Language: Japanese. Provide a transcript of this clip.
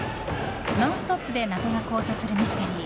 ノンストップで謎が交差するミステリー。